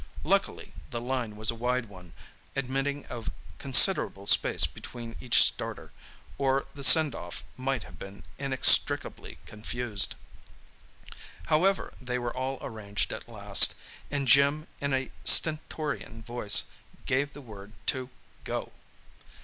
Luckily, the line was a wide one, admitting of considerable space between each starter, or the send off might have been inextricably confused. However, they were all arranged at last, and Jim, in a stentorian voice, gave the word to "Go."